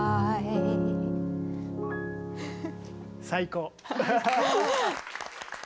最高。